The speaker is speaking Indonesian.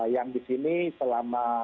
yang di sini selama